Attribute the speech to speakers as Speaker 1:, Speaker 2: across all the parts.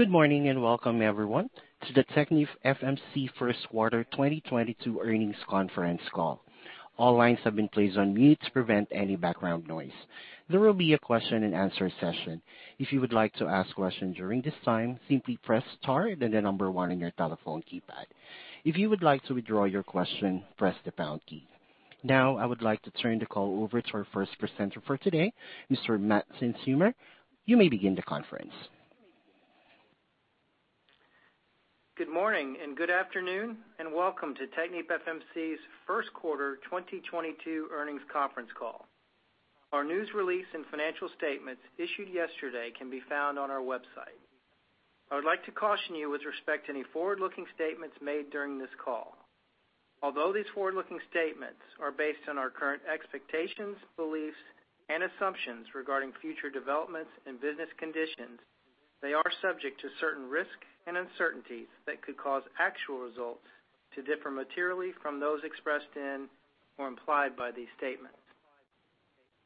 Speaker 1: Good morning, and welcome everyone to the TechnipFMC First Quarter 2022 Earnings Conference Call. All lines have been placed on mute to prevent any background noise. There will be a question and answer session. If you would like to ask questions during this time, simply press star then the number one on your telephone keypad. If you would like to withdraw your question, press the pound key. Now I would like to turn the call over to our first presenter for today, Mr. Matt Seinsheimer. You may begin the conference.
Speaker 2: Good morning and good afternoon, and welcome to TechnipFMC's First Quarter 2022 Earnings Conference Call. Our news release and financial statements issued yesterday can be found on our website. I would like to caution you with respect to any forward-looking statements made during this call. Although these forward-looking statements are based on our current expectations, beliefs, and assumptions regarding future developments and business conditions, they are subject to certain risks and uncertainties that could cause actual results to differ materially from those expressed in or implied by these statements.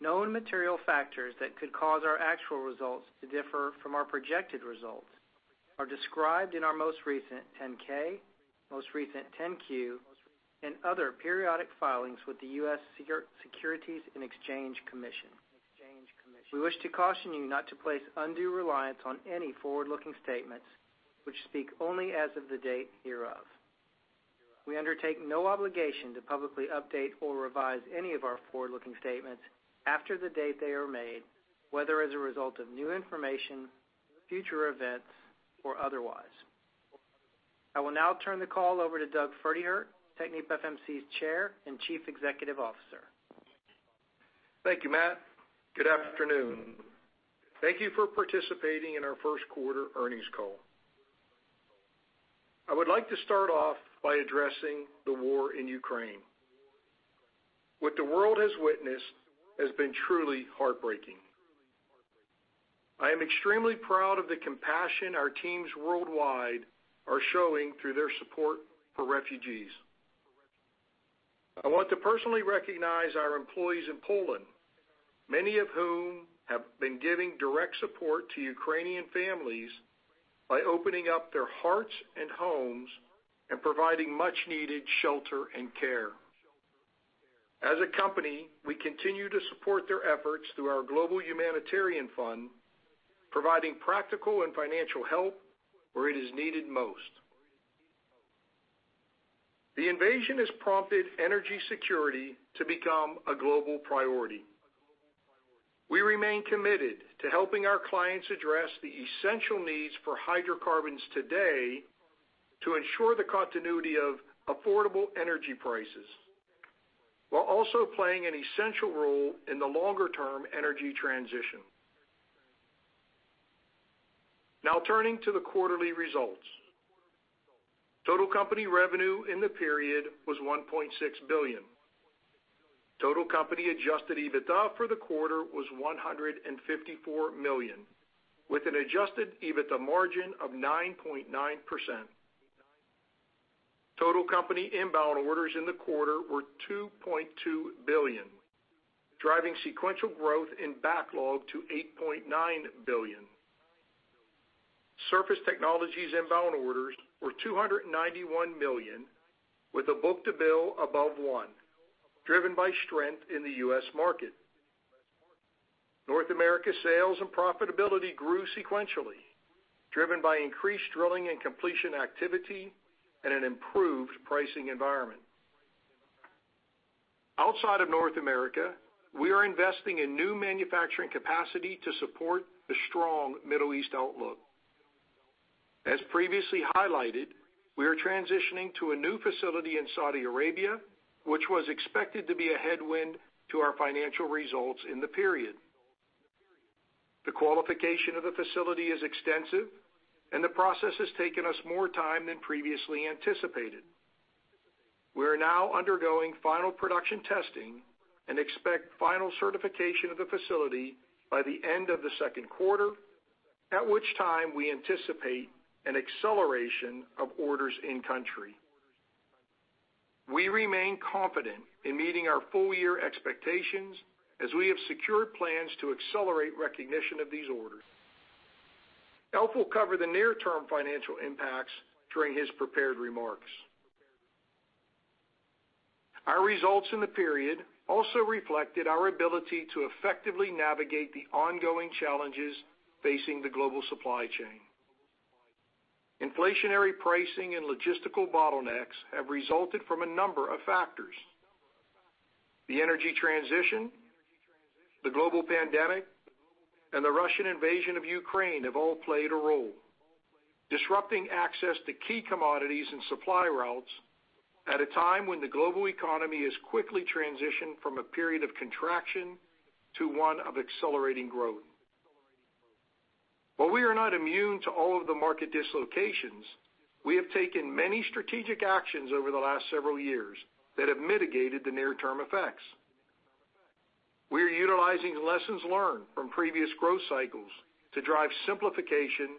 Speaker 2: Known material factors that could cause our actual results to differ from our projected results are described in our most recent 10-K, most recent 10-Q, and other periodic filings with the U.S. Securities and Exchange Commission. We wish to caution you not to place undue reliance on any forward-looking statements which speak only as of the date hereof. We undertake no obligation to publicly update or revise any of our forward-looking statements after the date they are made, whether as a result of new information, future events, or otherwise. I will now turn the call over to Doug Pferdehirt, TechnipFMC's Chair and Chief Executive Officer.
Speaker 3: Thank you, Matt. Good afternoon. Thank you for participating in our first quarter earnings call. I would like to start off by addressing the war in Ukraine. What the world has witnessed has been truly heartbreaking. I am extremely proud of the compassion our teams worldwide are showing through their support for refugees. I want to personally recognize our employees in Poland, many of whom have been giving direct support to Ukrainian families by opening up their hearts and homes and providing much needed shelter and care. As a company, we continue to support their efforts through our global humanitarian fund, providing practical and financial help where it is needed most. The invasion has prompted energy security to become a global priority. We remain committed to helping our clients address the essential needs for hydrocarbons today to ensure the continuity of affordable energy prices while also playing an essential role in the longer-term energy transition. Now turning to the quarterly results. Total company revenue in the period was $1.6 billion. Total company adjusted EBITDA for the quarter was $154 million, with an adjusted EBITDA margin of 9.9%. Total company inbound orders in the quarter were $2.2 billion, driving sequential growth in backlog to $8.9 billion. Surface Technologies inbound orders were $291 million, with a book-to-bill above one, driven by strength in the U.S. market. North America sales and profitability grew sequentially, driven by increased drilling and completion activity and an improved pricing environment. Outside of North America, we are investing in new manufacturing capacity to support the strong Middle East outlook. As previously highlighted, we are transitioning to a new facility in Saudi Arabia, which was expected to be a headwind to our financial results in the period. The qualification of the facility is extensive and the process has taken us more time than previously anticipated. We are now undergoing final production testing and expect final certification of the facility by the end of the second quarter, at which time we anticipate an acceleration of orders in country. We remain confident in meeting our full-year expectations as we have secured plans to accelerate recognition of these orders. Alf will cover the near-term financial impacts during his prepared remarks. Our results in the period also reflected our ability to effectively navigate the ongoing challenges facing the global supply chain. Inflationary pricing and logistical bottlenecks have resulted from a number of factors. The energy transition, the global pandemic, and the Russian invasion of Ukraine have all played a role, disrupting access to key commodities and supply routes at a time when the global economy has quickly transitioned from a period of contraction to one of accelerating growth. While we are not immune to all of the market dislocations, we have taken many strategic actions over the last several years that have mitigated the near-term effects. We are utilizing lessons learned from previous growth cycles to drive simplification,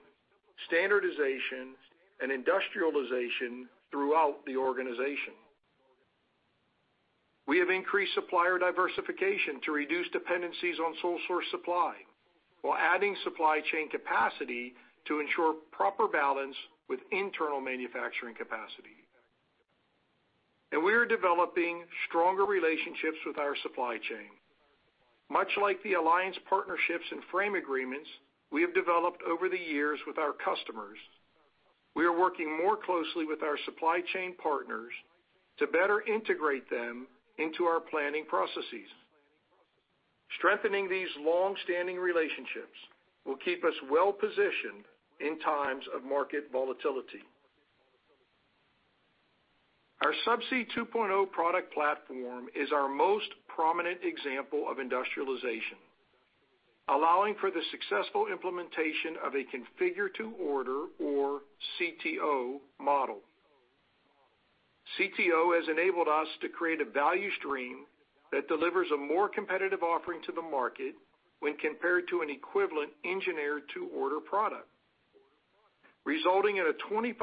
Speaker 3: standardization, and industrialization throughout the organization. We have increased supplier diversification to reduce dependencies on sole source supply, while adding supply chain capacity to ensure proper balance with internal manufacturing capacity. We are developing stronger relationships with our supply chain. Much like the alliance partnerships and frame agreements we have developed over the years with our customers, we are working more closely with our supply chain partners to better integrate them into our planning processes. Strengthening these long-standing relationships will keep us well-positioned in times of market volatility. Our Subsea 2.0 product platform is our most prominent example of industrialization, allowing for the successful implementation of a configure to order or CTO model. CTO has enabled us to create a value stream that delivers a more competitive offering to the market when compared to an equivalent engineer to order product, resulting in a 25%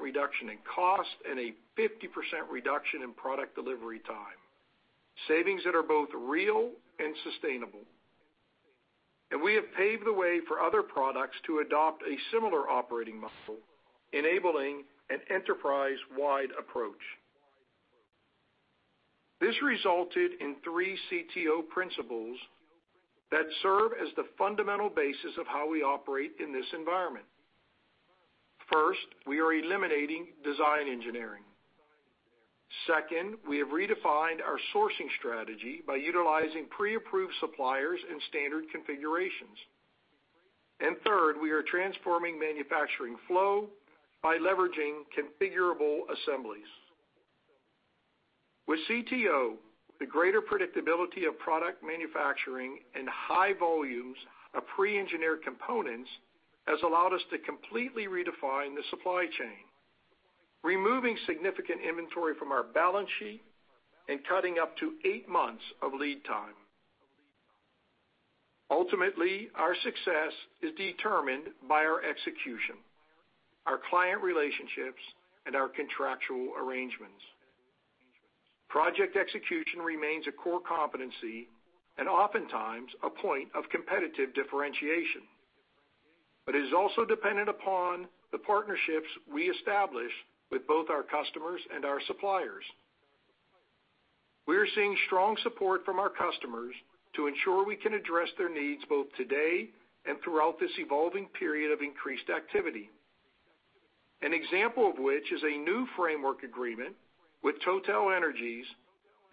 Speaker 3: reduction in cost and a 50% reduction in product delivery time, savings that are both real and sustainable. We have paved the way for other products to adopt a similar operating model, enabling an enterprise-wide approach. This resulted in three CTO principles that serve as the fundamental basis of how we operate in this environment. First, we are eliminating design engineering. Second, we have redefined our sourcing strategy by utilizing pre-approved suppliers and standard configurations. And third, we are transforming manufacturing flow by leveraging configurable assemblies. With CTO, the greater predictability of product manufacturing and high volumes of pre-engineered components has allowed us to completely redefine the supply chain, removing significant inventory from our balance sheet and cutting up to eight months of lead time. Ultimately, our success is determined by our execution, our client relationships, and our contractual arrangements. Project execution remains a core competency and oftentimes a point of competitive differentiation, but is also dependent upon the partnerships we establish with both our customers and our suppliers. We are seeing strong support from our customers to ensure we can address their needs both today and throughout this evolving period of increased activity. An example of which is a new framework agreement with TotalEnergies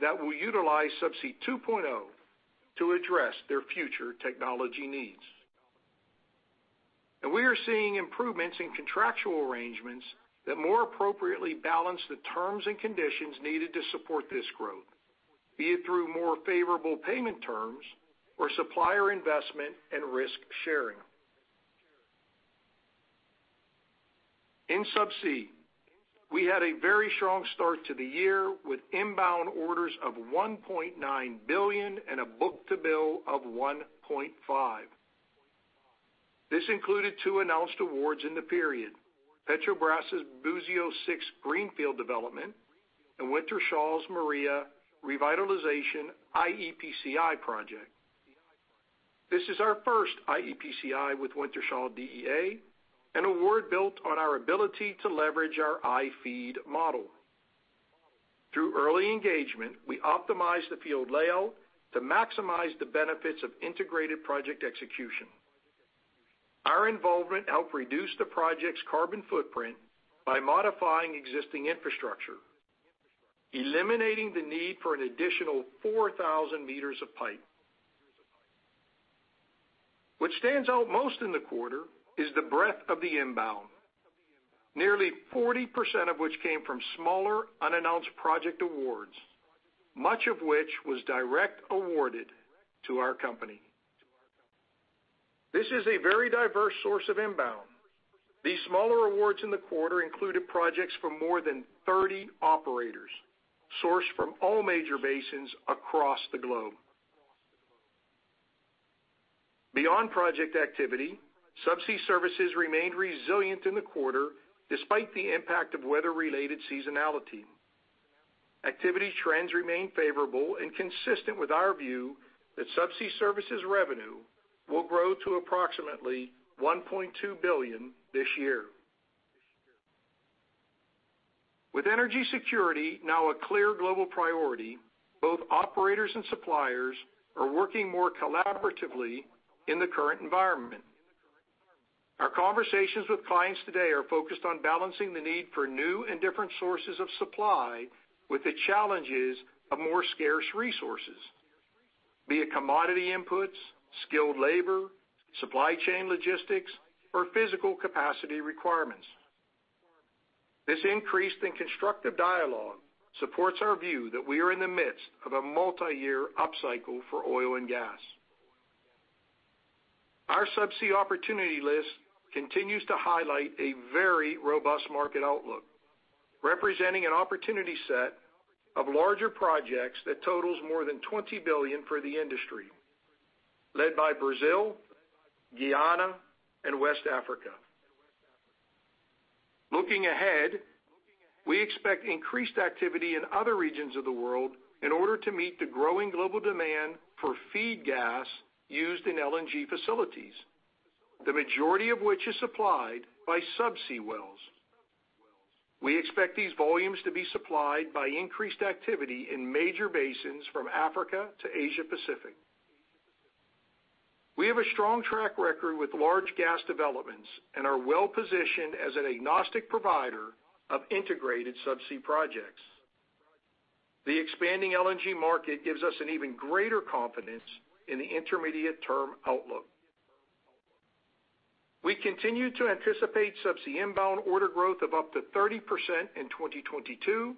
Speaker 3: that will utilize Subsea 2.0 to address their future technology needs. We are seeing improvements in contractual arrangements that more appropriately balance the terms and conditions needed to support this growth, be it through more favorable payment terms or supplier investment and risk sharing. In Subsea, we had a very strong start to the year with inbound orders of $1.9 billion and a book-to-bill of 1.5. This included two announced awards in the period, Petrobras' Búzios six greenfield development and Wintershall Dea's Maria revitalization iEPCI project. This is our first iEPCI with Wintershall Dea, an award built on our ability to leverage our iFEED model. Through early engagement, we optimized the field layout to maximize the benefits of integrated project execution. Our involvement helped reduce the project's carbon footprint by modifying existing infrastructure, eliminating the need for an additional 4,000 meters of pipe. What stands out most in the quarter is the breadth of the inbound, nearly 40% of which came from smaller unannounced project awards, much of which was directly awarded to our company. This is a very diverse source of inbound. These smaller awards in the quarter included projects from more than 30 operators, sourced from all major basins across the globe. Beyond project activity, Subsea services remained resilient in the quarter despite the impact of weather-related seasonality. Activity trends remain favorable and consistent with our view that Subsea services revenue will grow to approximately $1.2 billion this year. With energy security now a clear global priority, both operators and suppliers are working more collaboratively in the current environment. Our conversations with clients today are focused on balancing the need for new and different sources of supply with the challenges of more scarce resources, be it commodity inputs, skilled labor, supply chain logistics or physical capacity requirements. This increase in constructive dialogue supports our view that we are in the midst of a multiyear upcycle for oil and gas. Our Subsea opportunity list continues to highlight a very robust market outlook, representing an opportunity set of larger projects that totals more than $20 billion for the industry, led by Brazil, Guyana and West Africa. Looking ahead, we expect increased activity in other regions of the world in order to meet the growing global demand for feed gas used in LNG facilities, the majority of which is supplied by subsea wells. We expect these volumes to be supplied by increased activity in major basins from Africa to Asia Pacific. We have a strong track record with large gas developments and are well-positioned as an agnostic provider of integrated subsea projects. The expanding LNG market gives us an even greater confidence in the intermediate-term outlook. We continue to anticipate subsea inbound order growth of up to 30% in 2022,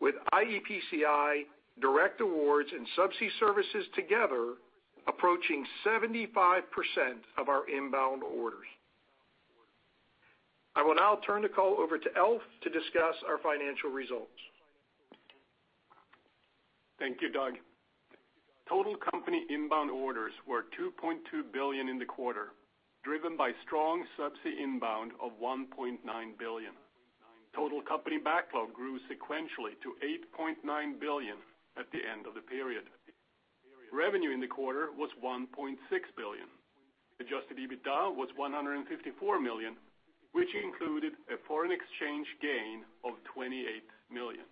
Speaker 3: with iEPCI direct awards and subsea services together approaching 75% of our inbound orders. I will now turn the call over to Alf to discuss our financial results.
Speaker 4: Thank you, Doug. Total company inbound orders were $2.2 billion in the quarter, driven by strong subsea inbound of $1.9 billion. Total company backlog grew sequentially to $8.9 billion at the end of the period. Revenue in the quarter was $1.6 billion. Adjusted EBITDA was $154 million, which included a foreign exchange gain of $28 million.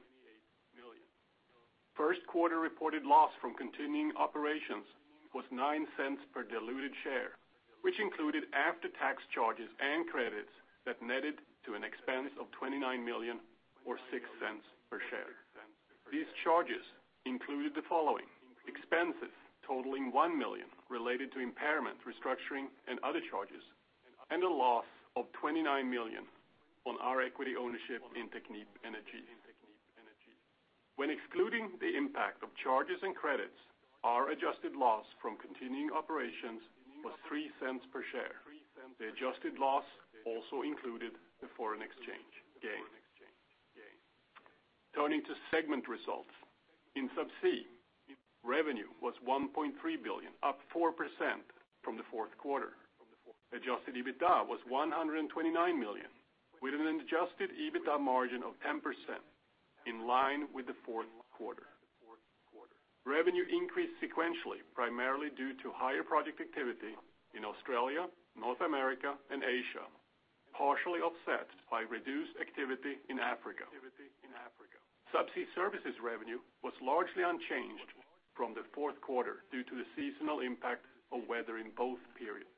Speaker 4: First quarter reported loss from continuing operations was $0.09 per diluted share, which included after-tax charges and credits that netted to an expense of $29 million or $0.06 per share. These charges included the following. Expenses totaling $1 million related to impairment, restructuring, and other charges, and a loss of $29 million on our equity ownership in Technip Energies. When excluding the impact of charges and credits, our adjusted loss from continuing operations was $0.03 per share. The adjusted loss also included the foreign exchange gain. Turning to segment results. In Subsea, revenue was $1.3 billion, up 4% from the fourth quarter. Adjusted EBITDA was $129 million, with an adjusted EBITDA margin of 10% in line with the fourth quarter. Revenue increased sequentially, primarily due to higher project activity in Australia, North America, and Asia, partially offset by reduced activity in Africa. Subsea services revenue was largely unchanged from the fourth quarter due to the seasonal impact of weather in both periods.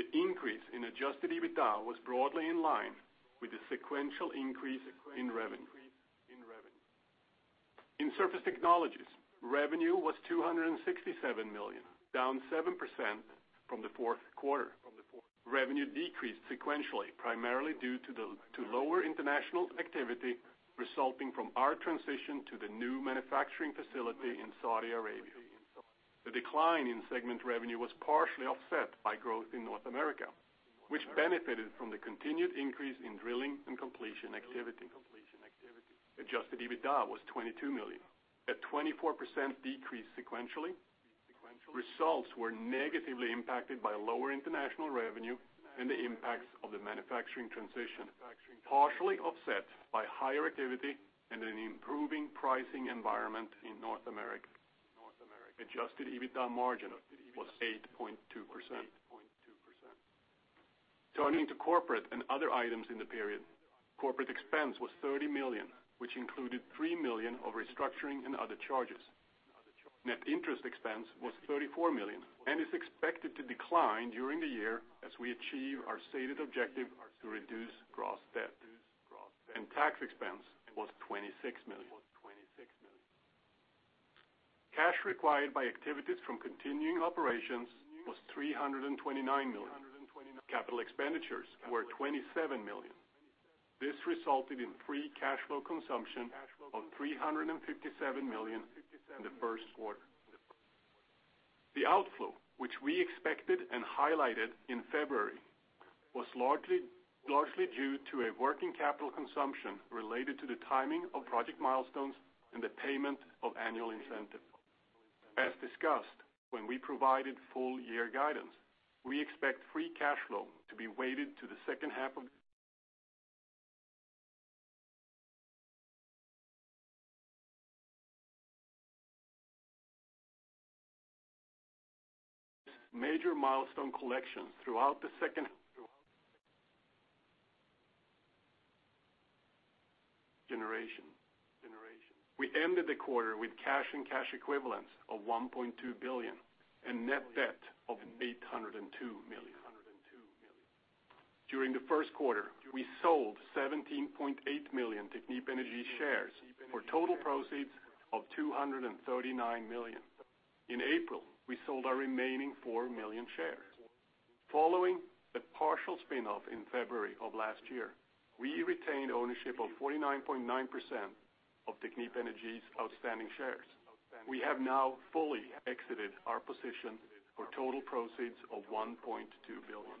Speaker 4: The increase in adjusted EBITDA was broadly in line with the sequential increase in revenue. In Surface Technologies, revenue was $267 million, down 7% from the fourth quarter. Revenue decreased sequentially, primarily due to lower international activity resulting from our transition to the new manufacturing facility in Saudi Arabia. The decline in segment revenue was partially offset by growth in North America, which benefited from the continued increase in drilling and completion activity. Adjusted EBITDA was $22 million, a 24% decrease sequentially. Results were negatively impacted by lower international revenue and the impacts of the manufacturing transition, partially offset by higher activity and an improving pricing environment in North America. Adjusted EBITDA margin was 8.2%. Turning to corporate and other items in the period. Corporate expense was $30 million, which included $3 million of restructuring and other charges. Net interest expense was $34 million and is expected to decline during the year as we achieve our stated objective to reduce gross debt. Tax expense was $26 million. Cash required by activities from continuing operations was $329 million. Capital expenditures were $27 million. This resulted in free cash flow consumption of $357 million in the first quarter. The outflow, which we expected and highlighted in February, was largely due to a working capital consumption related to the timing of project milestones and the payment of annual incentive. As discussed when we provided full year guidance, we expect free cash flow to be weighted to the second half. Major milestone collections throughout the second generation. We ended the quarter with cash and cash equivalents of $1.2 billion and net debt of $802 million. During the first quarter, we sold 17.8 million Technip Energies shares for total proceeds of $239 million. In April, we sold our remaining 4 million shares. Following the partial spin-off in February of last year, we retained ownership of 49.9% of Technip Energies' outstanding shares. We have now fully exited our position for total proceeds of $1.2 billion.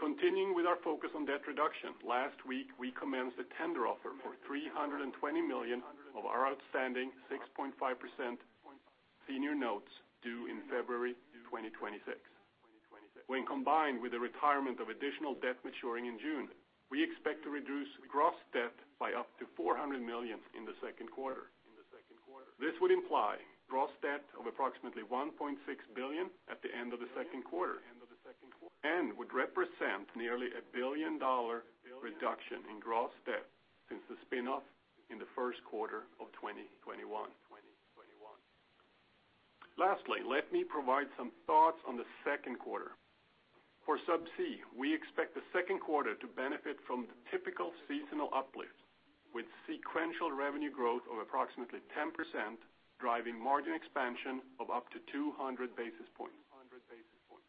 Speaker 4: Continuing with our focus on debt reduction, last week we commenced a tender offer for $320 million of our outstanding 6.5% Senior notes due in February 2026. When combined with the retirement of additional debt maturing in June, we expect to reduce gross debt by up to $400 million in the second quarter. This would imply gross debt of approximately $1.6 billion at the end of the second quarter, and would represent nearly a billion-dollar reduction in gross debt since the spin-off in the first quarter of 2021. Lastly, let me provide some thoughts on the second quarter. For Subsea, we expect the second quarter to benefit from the typical seasonal uplift, with sequential revenue growth of approximately 10% driving margin expansion of up to 200 basis points.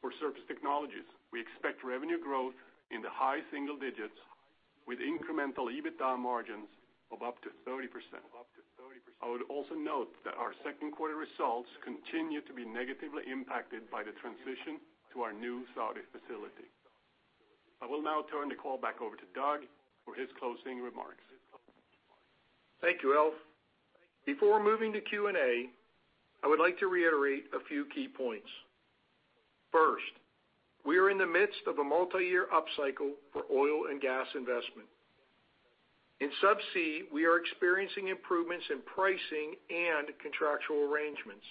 Speaker 4: For Surface Technologies, we expect revenue growth in the high single digits with incremental EBITDA margins of up to 30%. I would also note that our second quarter results continue to be negatively impacted by the transition to our new Saudi facility. I will now turn the call back over to Doug for his closing remarks.
Speaker 3: Thank you, Alf. Before moving to Q&A, I would like to reiterate a few key points. First, we are in the midst of a multiyear upcycle for oil and gas investment. In Subsea, we are experiencing improvements in pricing and contractual arrangements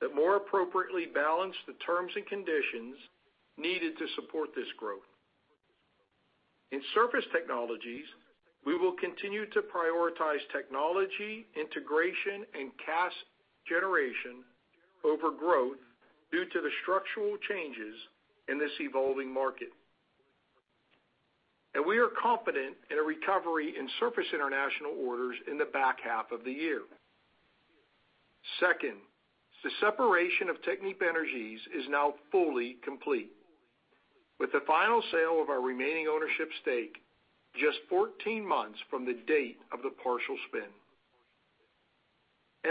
Speaker 3: that more appropriately balance the terms and conditions needed to support this growth. In Surface Technologies, we will continue to prioritize technology, integration, and cash generation over growth due to the structural changes in this evolving market. We are confident in a recovery in Surface international orders in the back half of the year. Second, the separation of Technip Energies is now fully complete with the final sale of our remaining ownership stake just 14 months from the date of the partial spin.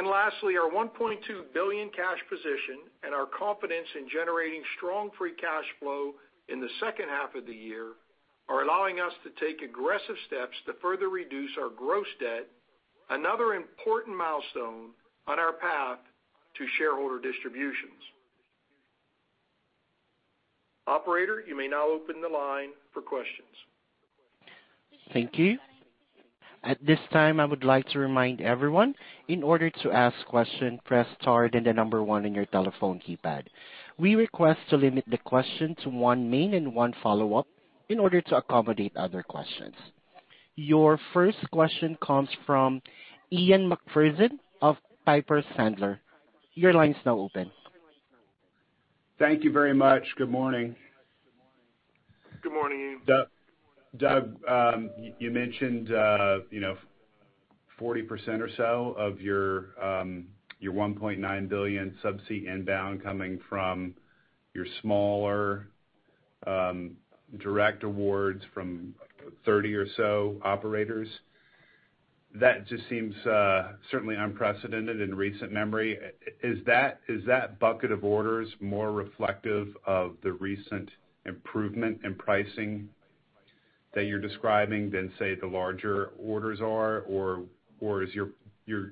Speaker 3: Lastly, our $1.2 billion cash position and our confidence in generating strong free cash flow in the second half of the year are allowing us to take aggressive steps to further reduce our gross debt, another important milestone on our path to shareholder distributions. Operator, you may now open the line for questions.
Speaker 1: Thank you. At this time, I would like to remind everyone, in order to ask question, press star then the number one on your telephone keypad. We request to limit the question to one main and one follow-up in order to accommodate other questions. Your first question comes from Ian MacPherson of Piper Sandler. Your line is now open.
Speaker 5: Thank you very much. Good morning.
Speaker 3: Good morning, Ian.
Speaker 5: Doug, you know, 40% or so of your $1.9 billion Subsea inbound coming from your smaller direct awards from 30 or so operators. That just seems certainly unprecedented in recent memory. Is that bucket of orders more reflective of the recent improvement in pricing that you're describing than, say, the larger orders are? Or is your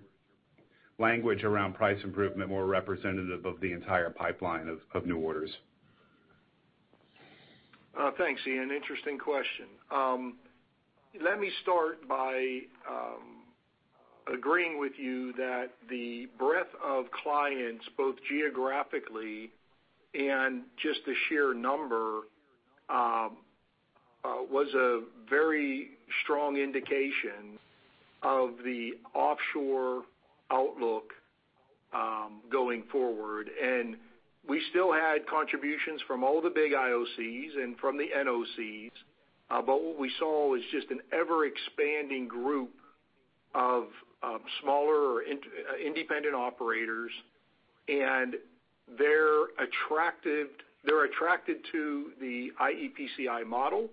Speaker 5: language around price improvement more representative of the entire pipeline of new orders?
Speaker 3: Thanks, Ian. Interesting question. Let me start by agreeing with you that the breadth of clients, both geographically and just the sheer number, was a very strong indication of the offshore outlook, going forward. We still had contributions from all the big IOCs and from the NOCs, but what we saw was just an ever-expanding group of smaller or independent operators. They're attracted to the iEPCI model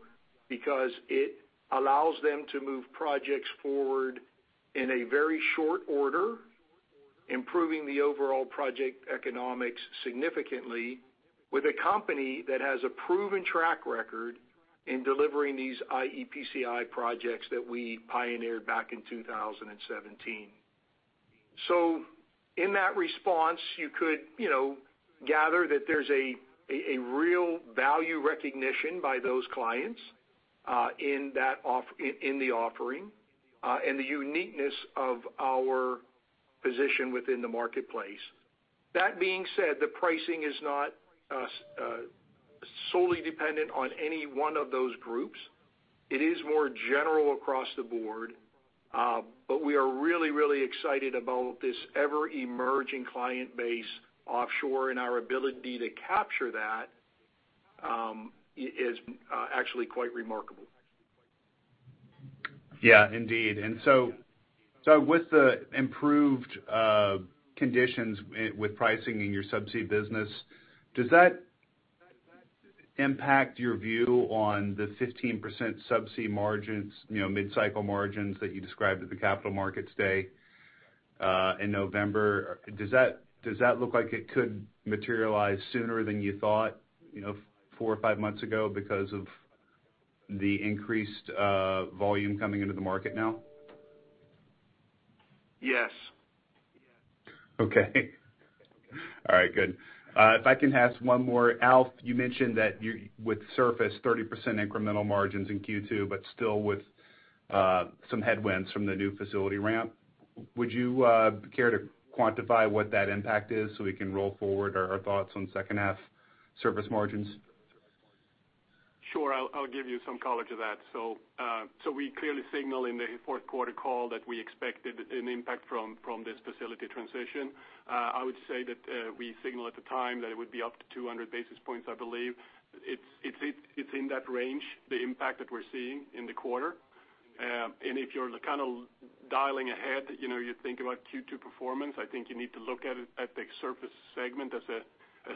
Speaker 3: because it allows them to move projects forward in a very short order, improving the overall project economics significantly with a company that has a proven track record in delivering these iEPCI projects that we pioneered back in 2017. In that response, you could, you know, gather that there's a real value recognition by those clients in the offering, and the uniqueness of our position within the marketplace. That being said, the pricing is not solely dependent on any one of those groups. It is more general across the board. We are really excited about this ever-emerging client base offshore, and our ability to capture that is actually quite remarkable.
Speaker 5: Yeah, indeed. With the improved conditions with pricing in your Subsea business, does that impact your view on the 15% Subsea margins, you know, mid-cycle margins that you described at the Capital Markets Day in November? Does that look like it could materialize sooner than you thought, you know, four or five months ago because of the increased volume coming into the market now?
Speaker 3: Yes.
Speaker 5: Okay. All right, good. If I can ask one more. Alf, you mentioned that with surface, 30% incremental margins in Q2, but still with some headwinds from the new facility ramp. Would you care to quantify what that impact is so we can roll forward our thoughts on second half surface margins?
Speaker 4: Sure. I'll give you some color to that. We clearly signal in the fourth quarter call that we expected an impact from this facility transition. I would say that we signaled at the time that it would be up to 200 basis points, I believe. It's in that range, the impact that we're seeing in the quarter. If you're kind of dialing ahead, you know, you think about Q2 performance, I think you need to look at it at the surface segment as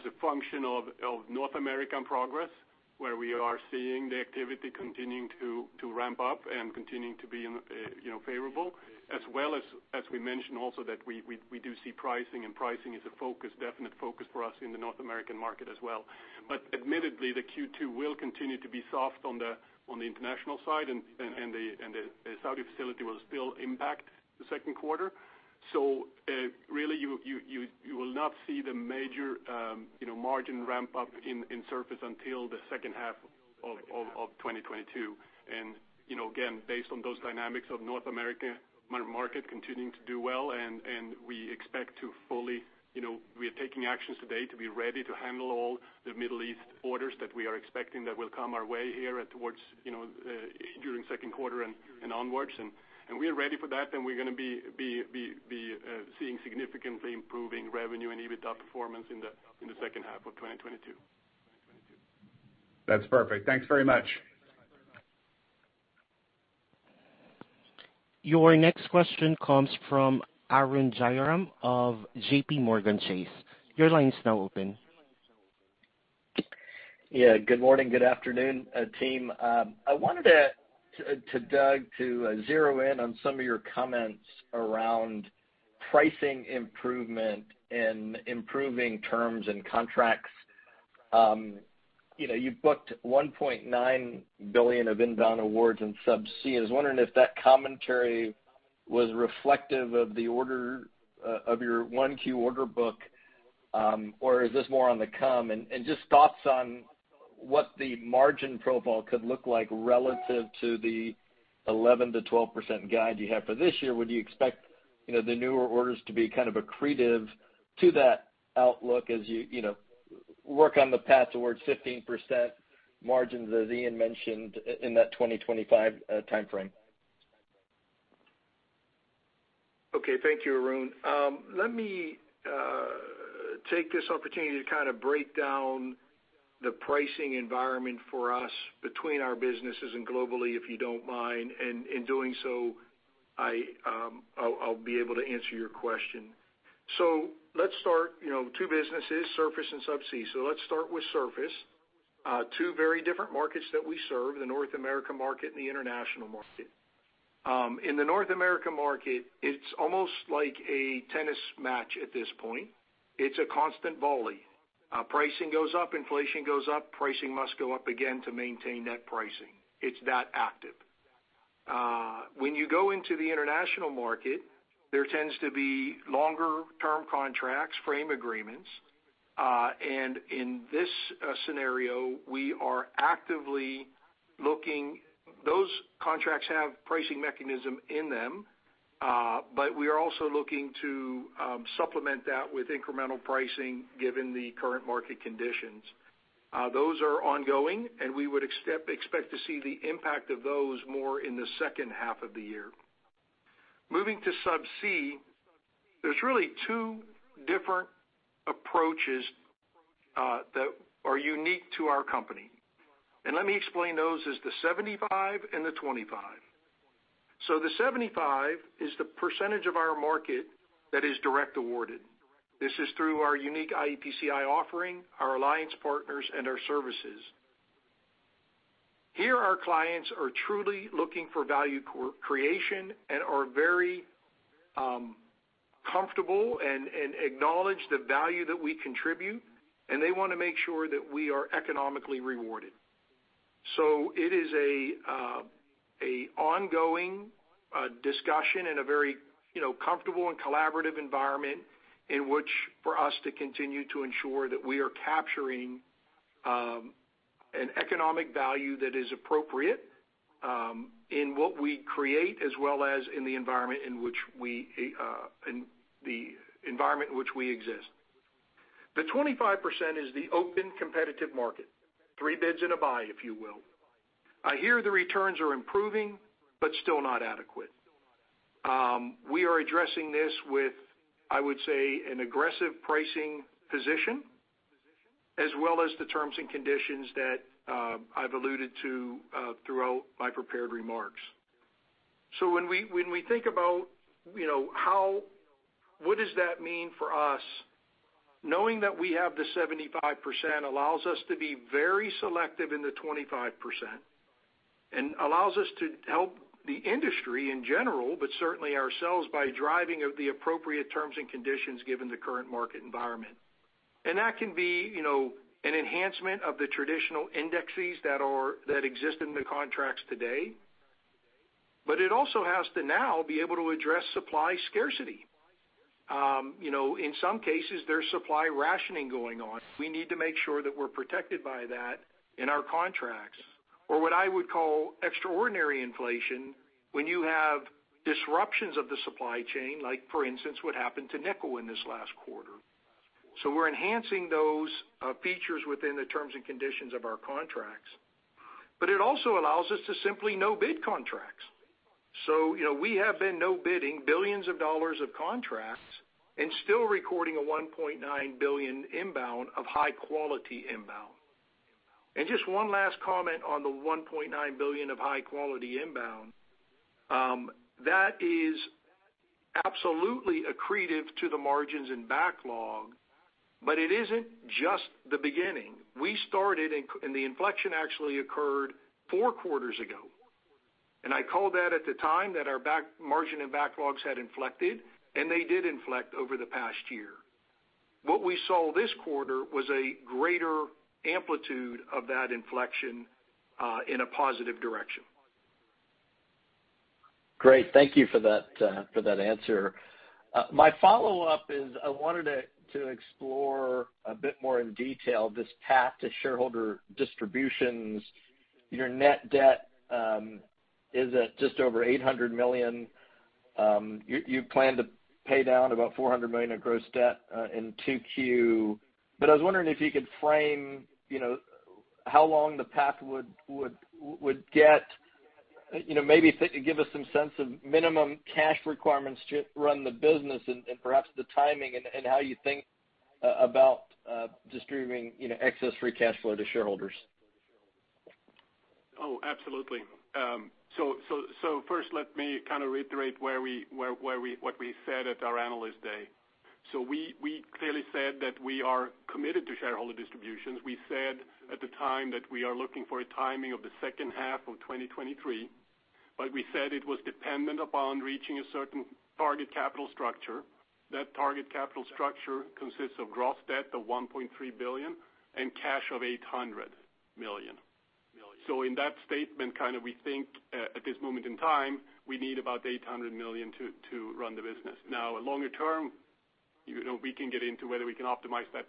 Speaker 4: a function of North American progress, where we are seeing the activity continuing to ramp up and continuing to be in, you know, favorable. As well as we mentioned also that we do see pricing, and pricing is a focus, definite focus for us in the North American market as well. Admittedly, the Q2 will continue to be soft on the international side and the Saudi facility will still impact the second quarter. Really, you will not see the major, you know, margin ramp up in surface until the second half of 2022. You know, again, based on those dynamics of North America market continuing to do well, and we expect to fully, you know, we are taking actions today to be ready to handle all the Middle East orders that we are expecting that will come our way here towards, you know, during second quarter and onwards. We are ready for that, and we're gonna be seeing significantly improving revenue and EBITDA performance in the second half of 2022.
Speaker 5: That's perfect. Thanks very much.
Speaker 1: Your next question comes from Arun Jayaram of JPMorgan Chase. Your line's now open.
Speaker 6: Yeah. Good morning. Good afternoon, team. I wanted to Doug, to zero in on some of your comments around pricing improvement and improving terms and contracts. You know, you booked $1.9 billion of inbound awards in Subsea. I was wondering if that commentary was reflective of the order of your 1Q order book, or is this more on the come? And just thoughts on what the margin profile could look like relative to the 11%-12% guide you have for this year. Would you expect, you know, the newer orders to be kind of accretive to that outlook as you know, work on the path towards 15% margins, as Ian mentioned, in that 2025 timeframe?
Speaker 3: Okay. Thank you, Arun. Let me take this opportunity to kind of break down the pricing environment for us between our businesses and globally, if you don't mind. In doing so, I'll be able to answer your question. Let's start, you know, two businesses, Surface and Subsea. Let's start with Surface. Two very different markets that we serve, the North America market and the international market. In the North America market, it's almost like a tennis match at this point. It's a constant volley. Pricing goes up, inflation goes up. Pricing must go up again to maintain net pricing. It's that active. When you go into the international market, there tends to be longer term contracts, frame agreements. In this scenario, we are actively looking... Those contracts have pricing mechanism in them, but we are also looking to supplement that with incremental pricing given the current market conditions. Those are ongoing, and we would expect to see the impact of those more in the second half of the year. Moving to Subsea, there's really two different approaches that are unique to our company. Let me explain those as the 75 and the 25. The 75 is the percentage of our market that is direct awarded. This is through our unique iEPCI™ offering, our alliance partners, and our services. Here, our clients are truly looking for value creation and are very comfortable and acknowledge the value that we contribute, and they wanna make sure that we are economically rewarded. It is an ongoing discussion in a very, you know, comfortable and collaborative environment in which for us to continue to ensure that we are capturing an economic value that is appropriate in what we create, as well as in the environment in which we exist. The 25% is the open competitive market. Three bids and a buy, if you will. Here, the returns are improving, but still not adequate. We are addressing this with, I would say, an aggressive pricing position, as well as the terms and conditions that I've alluded to throughout my prepared remarks. When we think about, you know, what does that mean for us, knowing that we have the 75% allows us to be very selective in the 25% and allows us to help the industry in general, but certainly ourselves by driving the appropriate terms and conditions given the current market environment. That can be, you know, an enhancement of the traditional indexes that exist in the contracts today. It also has to now be able to address supply scarcity. You know, in some cases, there's supply rationing going on. We need to make sure that we're protected by that in our contracts or what I would call extraordinary inflation when you have disruptions of the supply chain, like for instance, what happened to nickel in this last quarter. We're enhancing those features within the terms and conditions of our contracts. It also allows us to simply no bid contracts. You know, we have been no bidding billions of dollars of contracts and still recording a $1.9 billion inbound of high quality inbound. Just one last comment on the $1.9 billion of high quality inbound, that is absolutely accretive to the margins in backlog, but it isn't just the beginning. We started and the inflection actually occurred four quarters ago. I called that at the time that our margin and backlogs had inflected, and they did inflect over the past year. What we saw this quarter was a greater amplitude of that inflection in a positive direction.
Speaker 6: Great. Thank you for that, for that answer. My follow-up is I wanted to explore a bit more in detail this path to shareholder distributions. Your net debt is at just over $800 million. You plan to pay down about $400 million of gross debt in 2Q. I was wondering if you could frame, you know, how long the path would get, you know, maybe give us some sense of minimum cash requirements to run the business and perhaps the timing and how you think about distributing, you know, excess free cash flow to shareholders.
Speaker 4: Oh, absolutely. First let me kind of reiterate what we said at our Analyst Day. We clearly said that we are committed to shareholder distributions. We said at the time that we are looking for a timing of the second half of 2023, but we said it was dependent upon reaching a certain target capital structure. That target capital structure consists of gross debt of $1.3 billion and cash of $800 million. In that statement, kind of we think at this moment in time, we need about $800 million to run the business. Now longer term, you know, we can get into whether we can optimize that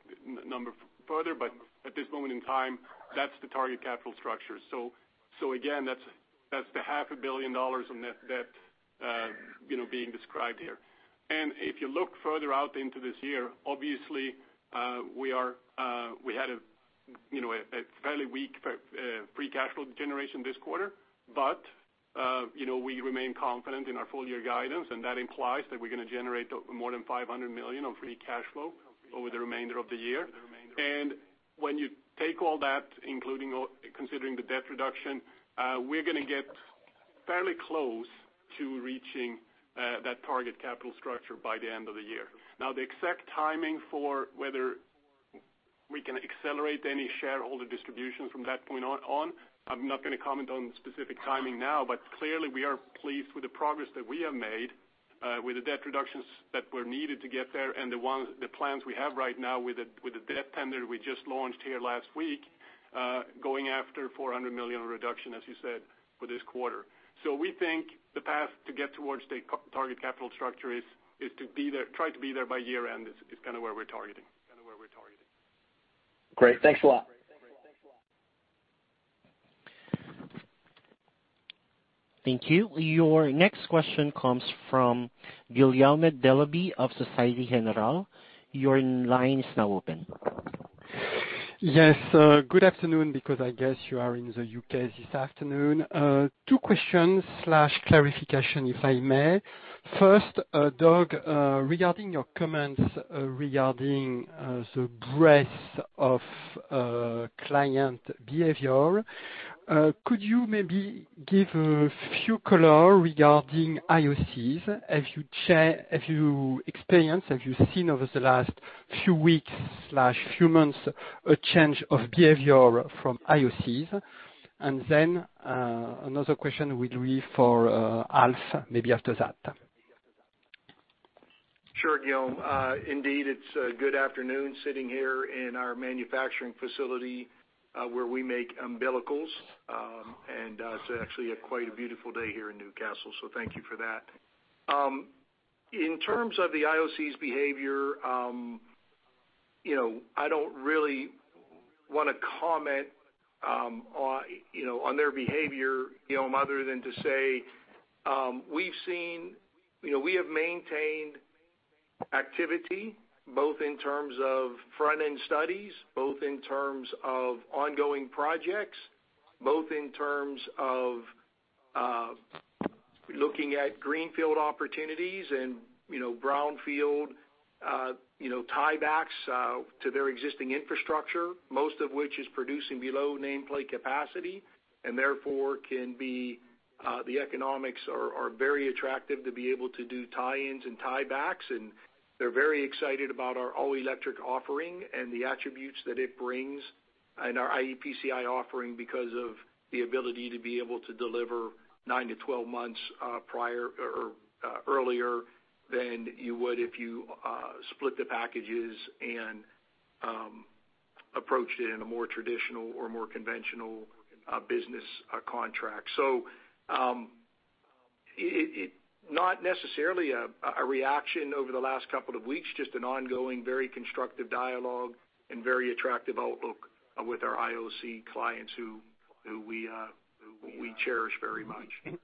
Speaker 4: number further, but at this moment in time, that's the target capital structure. Again, that's the half a billion dollars of net debt, you know, being described here. If you look further out into this year, obviously, we had a fairly weak free cash flow generation this quarter. You know, we remain confident in our full year guidance, and that implies that we're gonna generate more than $500 million of free cash flow over the remainder of the year. When you take all that, including or considering the debt reduction, we're gonna get fairly close to reaching that target capital structure by the end of the year. Now, the exact timing for whether we can accelerate any shareholder distributions from that point on, I'm not gonna comment on specific timing now, but clearly we are pleased with the progress that we have made with the debt reductions that were needed to get there and the plans we have right now with the debt tender we just launched here last week, going after $400 million in reduction, as you said, for this quarter. We think the path to get towards the target capital structure is to be there, try to be there by year-end is kind of where we're targeting.
Speaker 6: Great. Thanks a lot.
Speaker 1: Thank you. Your next question comes from Guillaume Delaby of Société Générale. Your line is now open.
Speaker 7: Yes, good afternoon because I guess you are in the U.K. this afternoon. Two questions slash clarification, if I may. First, Doug, regarding your comments regarding the breadth of client behavior, could you maybe give a few color regarding IOCs? Have you experienced, have you seen over the last few weeks slash few months a change of behavior from IOCs? Then, another question would be for Alf maybe after that.
Speaker 3: Sure, Guillaume. Indeed, it's good afternoon sitting here in our manufacturing facility where we make umbilicals. It's actually quite a beautiful day here in Newcastle, so thank you for that. In terms of the IOC's behavior, you know, I don't really wanna comment on, you know, on their behavior, Guillaume, other than to say, we've seen, you know, we have maintained activity, both in terms of front-end studies, both in terms of ongoing projects, both in terms of looking at greenfield opportunities and, you know, brownfield, you know, tiebacks to their existing infrastructure, most of which is producing below nameplate capacity and therefore can be, the economics are very attractive to be able to do tie-ins and tiebacks. They're very excited about our all-electric offering and the attributes that it brings and our iEPCI offering because of the ability to be able to deliver 9-12 months prior or earlier than you would if you split the packages and approach it in a more traditional or more conventional business contract. It's not necessarily a reaction over the last couple of weeks, just an ongoing, very constructive dialogue and very attractive outlook with our IOC clients who we cherish very much.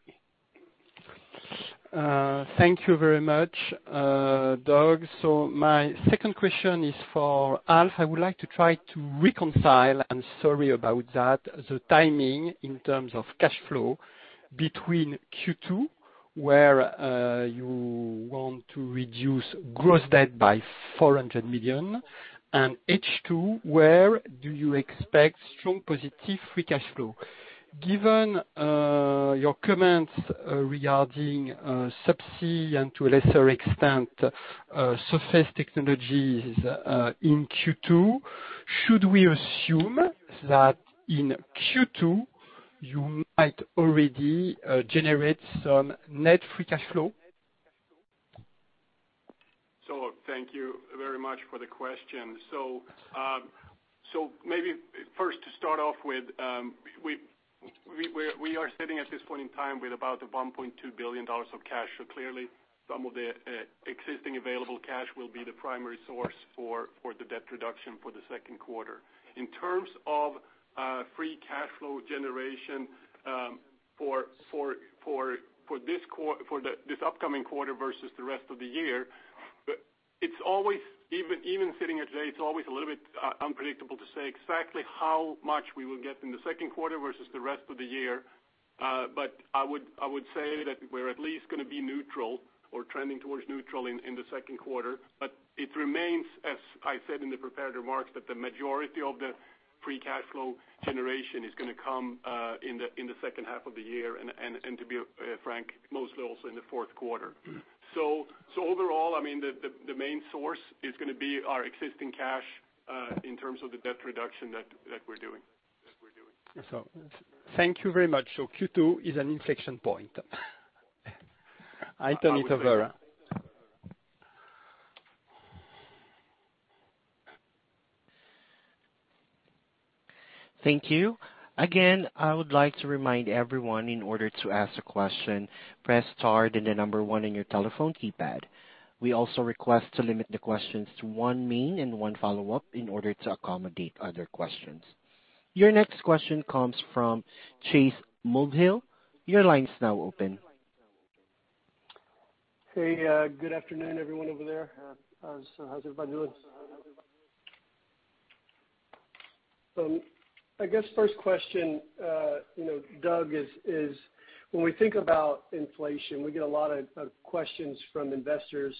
Speaker 7: Thank you very much, Doug. My second question is for Alf. I would like to try to reconcile, and sorry about that, the timing in terms of cash flow between Q2, where you want to reduce gross debt by $400 million and H2, where do you expect strong positive free cash flow. Given your comments regarding Subsea and to a lesser extent Surface Technologies in Q2, should we assume that in Q2, you might already generate some net free cash flow?
Speaker 4: Thank you very much for the question. Maybe first to start off with, we are sitting at this point in time with about $1.2 billion of cash. Clearly some of the existing available cash will be the primary source for the debt reduction for the second quarter. In terms of free cash flow generation for this upcoming quarter versus the rest of the year. It's always, even sitting at today, a little bit unpredictable to say exactly how much we will get in the second quarter versus the rest of the year. I would say that we're at least gonna be neutral or trending towards neutral in the second quarter. It remains, as I said in the prepared remarks, that the majority of the free cash flow generation is gonna come in the second half of the year, and to be frank, mostly also in the fourth quarter. So overall, I mean, the main source is gonna be our existing cash in terms of the debt reduction that we're doing.
Speaker 7: Thank you very much. Q2 is an inflection point. I turn it over.
Speaker 1: Thank you. Again, I would like to remind everyone in order to ask a question, press star, then the number one in your telephone keypad. We also request to limit the questions to one main and one follow-up in order to accommodate other questions. Your next question comes from Chase Mulvehill. Your line's now open.
Speaker 8: Hey, good afternoon, everyone over there. How's everybody doing? I guess first question, you know, Doug, is when we think about inflation, we get a lot of questions from investors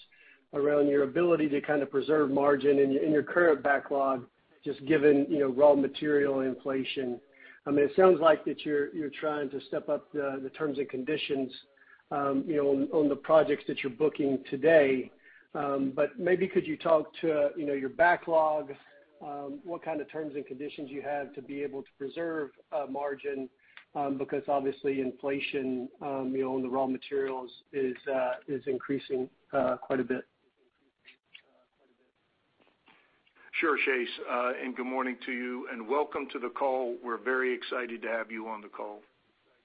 Speaker 8: around your ability to kind of preserve margin in your current backlog, just given, you know, raw material inflation. I mean, it sounds like that you're trying to step up the terms and conditions, you know, on the projects that you're booking today. Maybe could you talk to, you know, your backlog, what kind of terms and conditions you have to be able to preserve margin, because obviously inflation, you know, on the raw materials is increasing quite a bit.
Speaker 3: Sure, Chase, and good morning to you, and welcome to the call. We're very excited to have you on the call,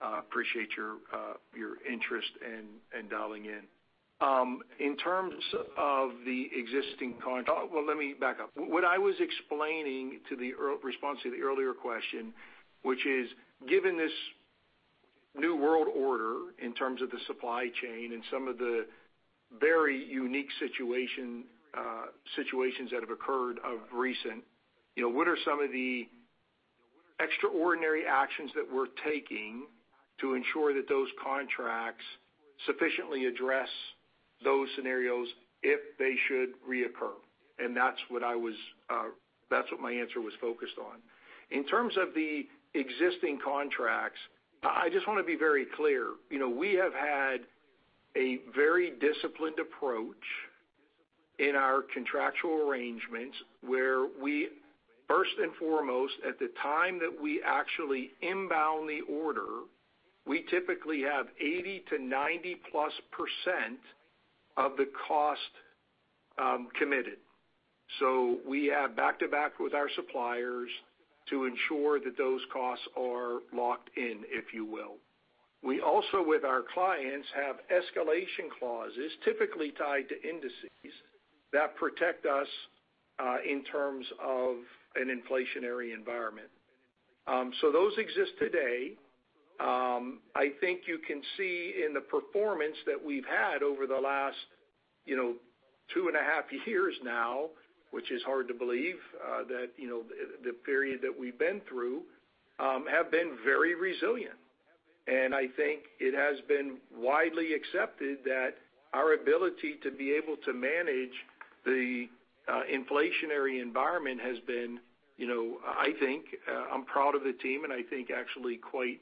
Speaker 3: appreciate your interest in dialing in. In terms of the existing, let me back up. What I was explaining in response to the earlier question, which is given this new world order in terms of the supply chain and some of the very unique situations that have occurred recently. You know, what are some of the extraordinary actions that we're taking to ensure that those contracts sufficiently address those scenarios if they should reoccur? That's what my answer was focused on. In terms of the existing contracts, I just wanna be very clear, you know, we have had a very disciplined approach in our contractual arrangements, where we first and foremost, at the time that we actually inbound the order, we typically have 80%-90%+ of the cost committed. We have back to back with our suppliers to ensure that those costs are locked in, if you will. We also, with our clients, have escalation clauses typically tied to indices that protect us in terms of an inflationary environment. Those exist today. I think you can see in the performance that we've had over the last 2.5 years now, which is hard to believe, that, you know, the period that we've been through have been very resilient. I think it has been widely accepted that our ability to be able to manage the inflationary environment has been, you know, I think, I'm proud of the team, and I think actually quite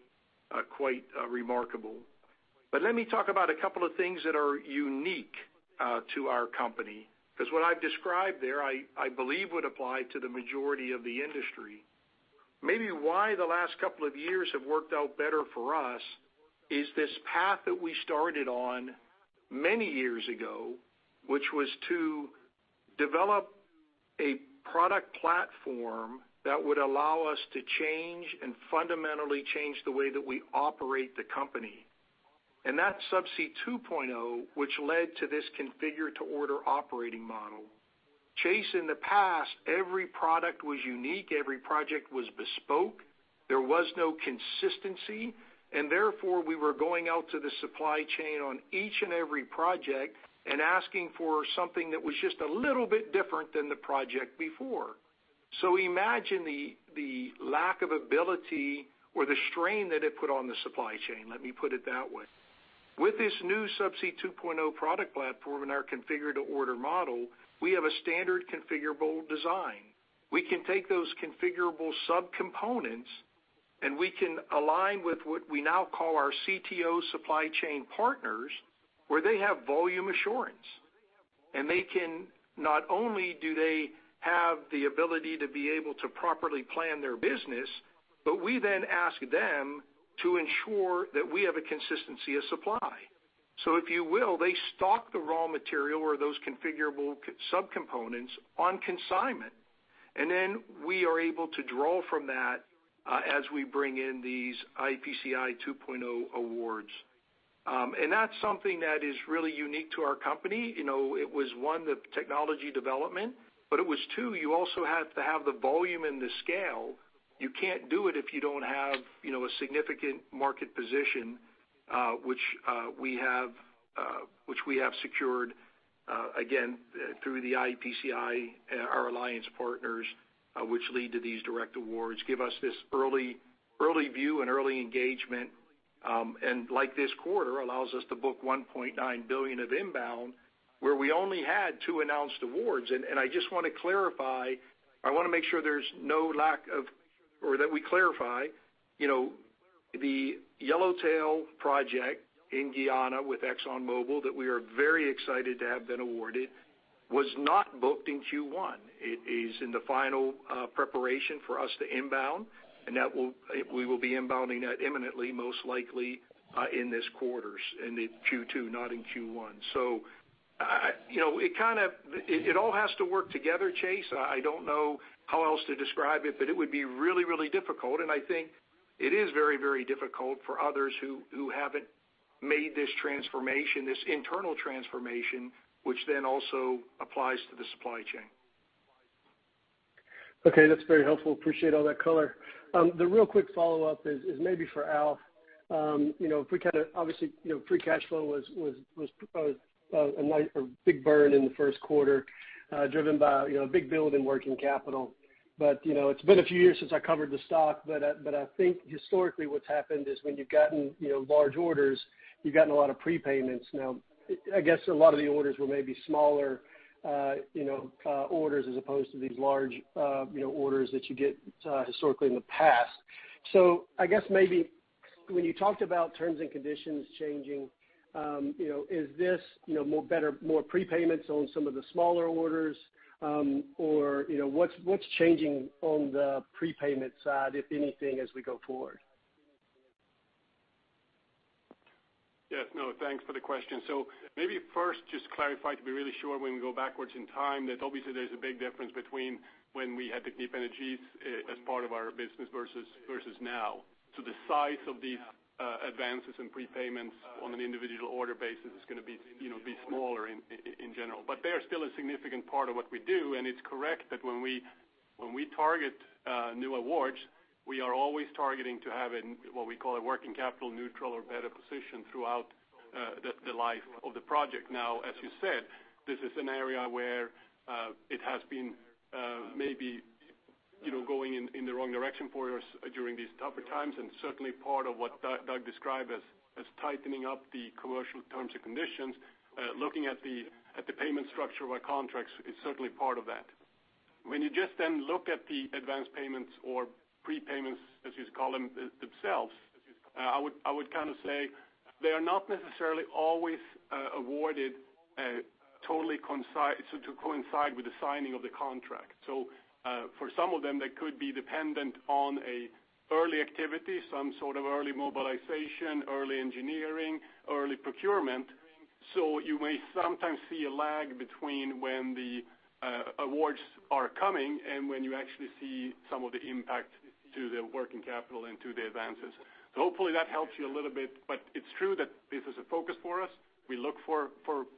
Speaker 3: remarkable. Let me talk about a couple of things that are unique to our company, because what I've described there, I believe would apply to the majority of the industry. Maybe why the last couple of years have worked out better for us is this path that we started on many years ago, which was to develop a product platform that would allow us to change and fundamentally change the way that we operate the company. That's Subsea 2.0, which led to this configure-to-order operating model. Chase, in the past, every product was unique, every project was bespoke. There was no consistency, and therefore, we were going out to the supply chain on each and every project and asking for something that was just a little bit different than the project before. Imagine the lack of ability or the strain that it put on the supply chain. Let me put it that way. With this new Subsea 2.0 product platform and our configure-to-order model, we have a standard configurable design. We can take those configurable subcomponents, and we can align with what we now call our CTO supply chain partners, where they have volume assurance. Not only do they have the ability to be able to properly plan their business, but we then ask them to ensure that we have a consistency of supply. If you will, they stock the raw material or those configurable subcomponents on consignment. We are able to draw from that, as we bring in these iEPCI 2.0 awards. That's something that is really unique to our company. You know, it was, one, the technology development, but it was two, you also have to have the volume and the scale. You can't do it if you don't have, you know, a significant market position, which we have secured, again, through the iEPCI, our alliance partners, which lead to these direct awards, give us this early view and early engagement, and like this quarter, allows us to book $1.9 billion of inbound, where we only had two announced awards. I just wanna clarify. I wanna make sure that we clarify, you know, the Yellowtail project in Guyana with ExxonMobil that we are very excited to have been awarded was not booked in Q1. It is in the final preparation for us to inbound, and we will be inbounding that imminently, most likely, in this quarter, in the Q2, not in Q1. You know, it all has to work together, Chase. I don't know how else to describe it, but it would be really, really difficult, and I think it is very, very difficult for others who haven't made this transformation, this internal transformation, which then also applies to the supply chain.
Speaker 8: Okay, that's very helpful. Appreciate all that color. The real quick follow-up is maybe for Alf. You know, if we kind of obviously, you know, free cash flow was a big burn in the first quarter, driven by, you know, a big build in working capital. You know, it's been a few years since I covered the stock, but I think historically what's happened is when you've gotten, you know, large orders, you've gotten a lot of prepayments. Now, I guess a lot of the orders were maybe smaller, you know, orders as opposed to these large, you know, orders that you get, historically in the past. I guess maybe when you talked about terms and conditions changing, you know, is this, you know, more better, more prepayments on some of the smaller orders, or, you know, what's changing on the prepayment side, if anything, as we go forward?
Speaker 4: Yes. No, thanks for the question. Maybe first just clarify to be really sure when we go backwards in time that obviously there's a big difference between when we had Technip Energies as part of our business versus now. The size of these advances and prepayments on an individual order basis is gonna be, you know, be smaller in general. They are still a significant part of what we do, and it's correct that when we target new awards, we are always targeting to have what we call a working capital neutral or better position throughout the life of the project. Now, as you said, this is an area where it has been maybe, you know, going in the wrong direction for us during these tougher times and certainly part of what Doug described as tightening up the commercial terms and conditions, looking at the payment structure of our contracts is certainly part of that. When you just then look at the advanced payments or prepayments, as you call them, themselves, I would kind of say they are not necessarily always awarded to coincide with the signing of the contract. For some of them, they could be dependent on an early activity, some sort of early mobilization, early engineering, early procurement. You may sometimes see a lag between when the awards are coming and when you actually see some of the impact to the working capital and to the advances. Hopefully that helps you a little bit. It's true that this is a focus for us. We look for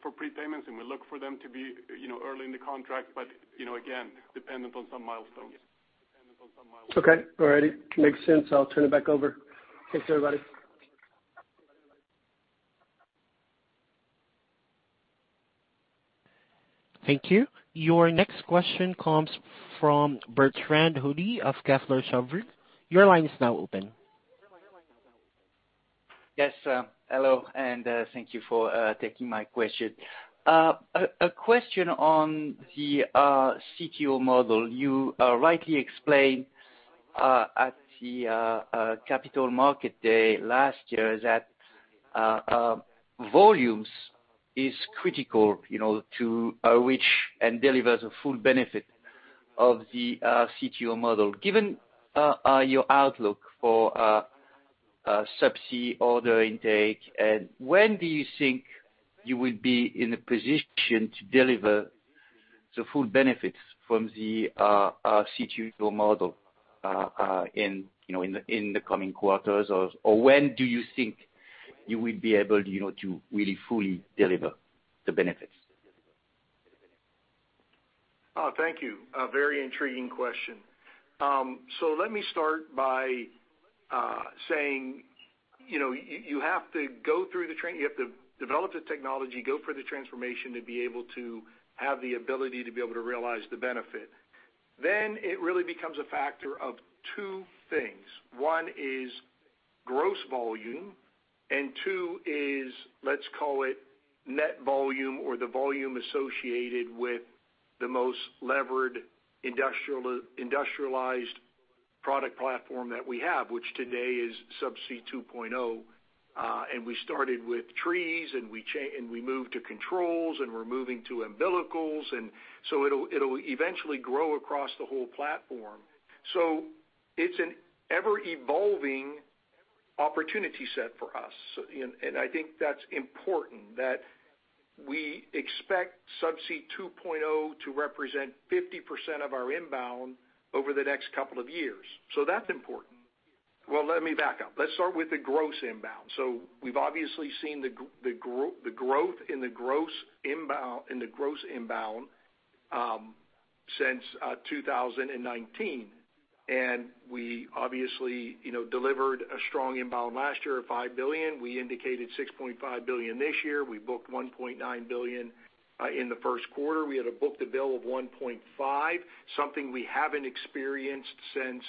Speaker 4: prepayments, and we look for them to be, you know, early in the contract, but you know, again, dependent on some milestones.
Speaker 8: Okay. All righty. Makes sense. I'll turn it back over. Thanks, everybody.
Speaker 1: Thank you. Your next question comes from Bertrand Hodée of Kepler Cheuvreux. Your line is now open.
Speaker 9: Yes. Hello, and thank you for taking my question. A question on the CTO model. You rightly explain At the capital market day last year that volumes is critical, you know, to reach and delivers a full benefit of the CTO model. Given your outlook for Subsea order intake, and when do you think you will be in a position to deliver the full benefits from the CTO model in, you know, in the coming quarters? Or when do you think you will be able, you know, to really fully deliver the benefits?
Speaker 3: Thank you. A very intriguing question. So let me start by saying, you know, you have to develop the technology, go through the transformation to be able to have the ability to be able to realize the benefit. Then it really becomes a factor of two things. One is gross volume, and two is, let's call it net volume or the volume associated with the most levered industrialized product platform that we have, which today is Subsea 2.0. We started with trees, and we moved to controls, and we're moving to umbilicals. It'll eventually grow across the whole platform. It's an ever-evolving opportunity set for us, you know, and I think that's important that we expect Subsea 2.0 to represent 50% of our inbound over the next couple of years. That's important. Well, let me back up. Let's start with the gross inbound. We've obviously seen the growth in the gross inbound since 2019. We obviously, you know, delivered a strong inbound last year of $5 billion. We indicated $6.5 billion this year. We booked $1.9 billion in the first quarter. We had a book-to-bill of 1.5, something we haven't experienced since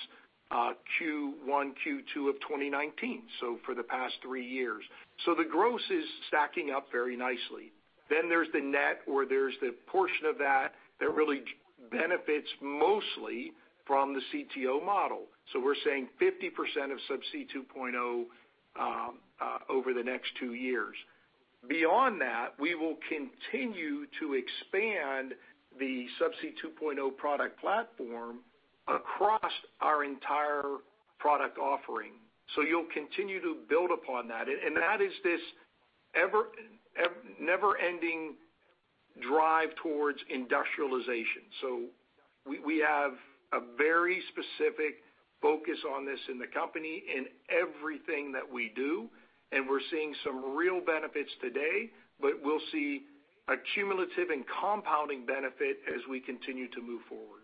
Speaker 3: Q1, Q2 of 2019, so for the past three years. The gross is stacking up very nicely. There's the net or there's the portion of that that really benefits mostly from the CTO model. We're saying 50% of Subsea 2.0 over the next two years. Beyond that, we will continue to expand the Subsea 2.0 product platform across our entire product offering. You'll continue to build upon that. That is this never-ending drive towards industrialization. We have a very specific focus on this in the company in everything that we do, and we're seeing some real benefits today, but we'll see a cumulative and compounding benefit as we continue to move forward.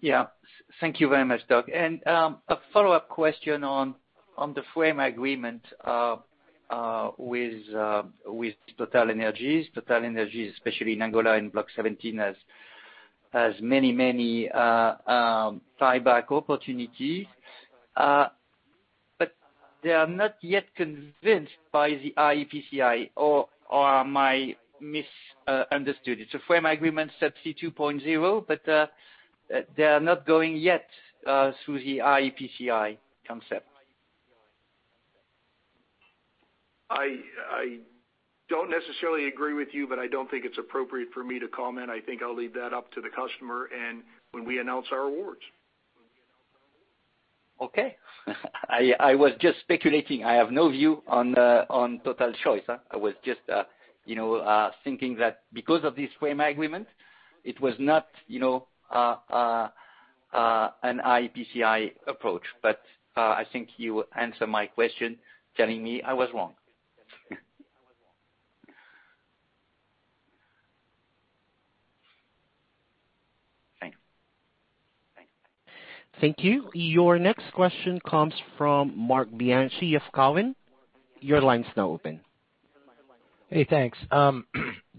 Speaker 9: Yeah. Thank you very much, Doug. A follow-up question on the framework agreement with TotalEnergies. TotalEnergies, especially in Angola, in Block XVII, has many buyback opportunities. But they are not yet convinced by the iEPCI™ or am I misunderstood? It's a framework agreement Subsea 2.0, but they are not going yet through the iEPCI™ concept.
Speaker 3: I don't necessarily agree with you, but I don't think it's appropriate for me to comment. I think I'll leave that up to the customer and when we announce our awards.
Speaker 9: Okay. I was just speculating. I have no view on Total's choice. I was just you know an iEPCI™ approach. I think you answered my question telling me I was wrong. Thanks.
Speaker 1: Thank you. Your next question comes from Marc Bianchi of Cowen. Your line's now open.
Speaker 10: Hey, thanks.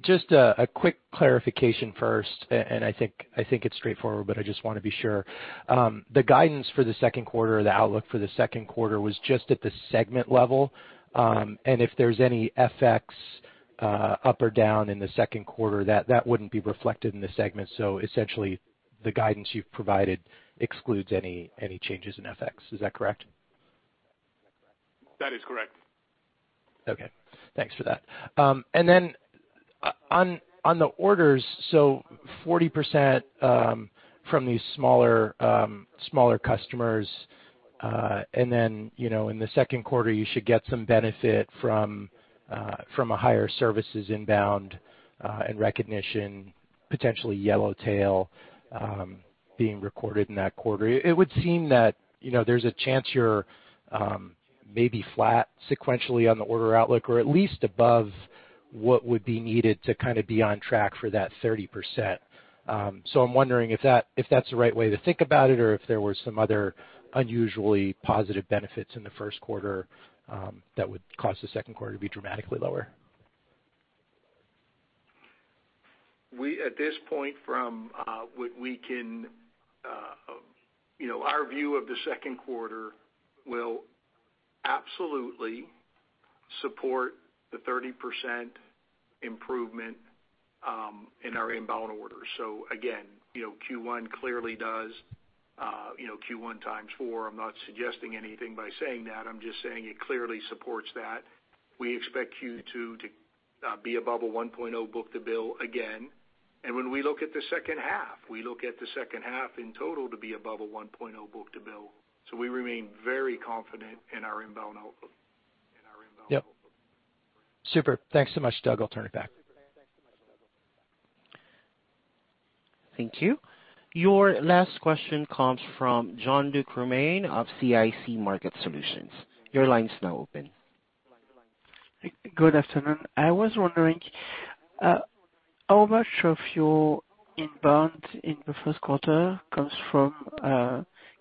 Speaker 10: Just a quick clarification first. I think it's straightforward, but I just wanna be sure. The guidance for the second quarter or the outlook for the second quarter was just at the segment level. If there's any FX up or down in the second quarter, that wouldn't be reflected in the segment. Essentially, the guidance you've provided excludes any changes in FX. Is that correct?
Speaker 3: That is correct.
Speaker 10: Okay. Thanks for that. On the orders, so 40% from these smaller customers, and then, you know, in the second quarter, you should get some benefit from a higher services inbound, and recognition, potentially Yellowtail being recorded in that quarter. It would seem that, you know, there's a chance you're maybe flat sequentially on the order outlook or at least above what would be needed to kind of be on track for that 30%. I'm wondering if that, if that's the right way to think about it or if there were some other unusually positive benefits in the first quarter that would cause the second quarter to be dramatically lower.
Speaker 3: At this point from what we can, you know, our view of the second quarter will absolutely support the 30% improvement in our inbound orders. Again, you know, Q1 clearly does, you know, Q1 times four. I'm not suggesting anything by saying that. I'm just saying it clearly supports that. We expect Q2 to be above a 1.0 book-to-bill again. And when we look at the second half, we look at the second half in total to be above a 1.0 book-to-bill. We remain very confident in our inbound outlook.
Speaker 10: Yep. Super. Thanks so much, Doug. I'll turn it back.
Speaker 1: Thank you. Your last question comes from Jean-Luc Romain of CIC Market Solutions. Your line is now open.
Speaker 11: Good afternoon. I was wondering how much of your inbound in the first quarter comes from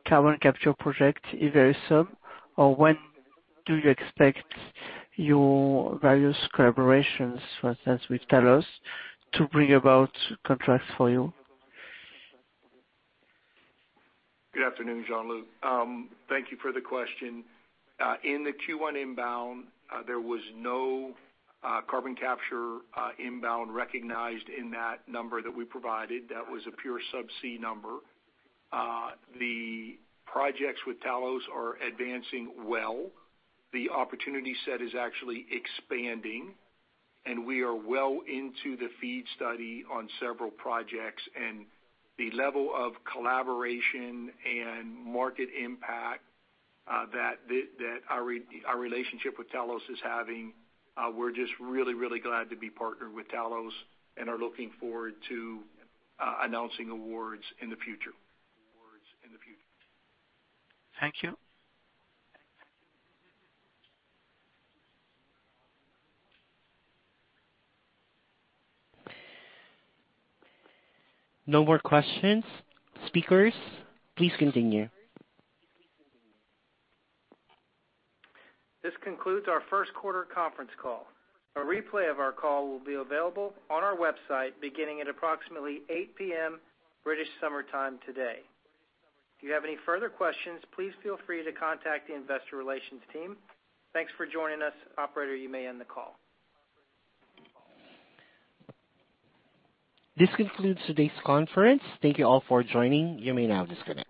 Speaker 11: carbon capture project Evarisum? Or when do you expect your various collaborations, for instance, with Talos, to bring about contracts for you?
Speaker 3: Good afternoon, Jean-Luc. Thank you for the question. In the Q1 inbound, there was no carbon capture inbound recognized in that number that we provided. That was a pure subsea number. The projects with Talos are advancing well. The opportunity set is actually expanding, and we are well into the FEED study on several projects. The level of collaboration and market impact that our relationship with Talos is having, we're just really glad to be partnered with Talos and are looking forward to announcing awards in the future.
Speaker 11: Thank you.
Speaker 1: No more questions. Speakers, please continue.
Speaker 2: This concludes our first quarter conference call. A replay of our call will be available on our website beginning at approximately 8 P.M. British Summer Time today. If you have any further questions, please feel free to contact the investor relations team. Thanks for joining us. Operator, you may end the call.
Speaker 1: This concludes today's conference. Thank you all for joining. You may now disconnect.